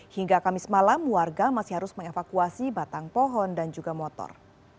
hingga kamis malam warga masih harus mengevakuasi batang pohon dan juga motor